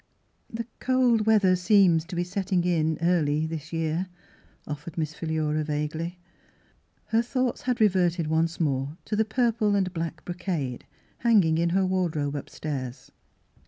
" The cold weather seems to be setting in early this year," offered Miss Philura vaguely. Her thoughts had reverted once more to the purple and black brocade, hanging in her wardrobe upstairs.